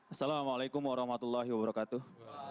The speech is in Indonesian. assalamualaikum warahmatullahi wabarakatuh